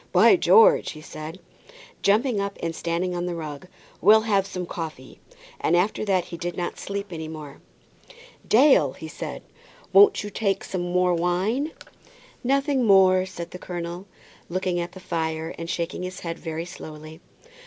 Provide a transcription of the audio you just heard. "By George!" he said, jumping up and standing on the rug, "we'll have some coffee;" and after that he did not sleep any more. "Dale," said he, "won't you take some more wine?" [ILLUSTRATION: "Won't you take some more wine?"] "Nothing more," said the colonel, still looking at the fire, and shaking his head very slowly.